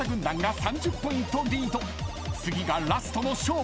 ［次がラストの勝負］